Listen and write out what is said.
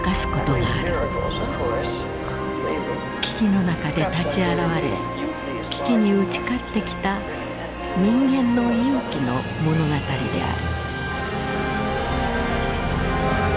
危機の中で立ち現れ危機に打ち勝ってきた人間の勇気の物語である。